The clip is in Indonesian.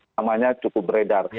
namanya cukup beredar